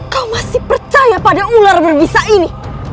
kau masih percaya pada ular berbisa ini